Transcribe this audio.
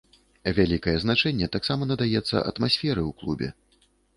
Вялікае значэнне таксама надаецца атмасферы ў клубе.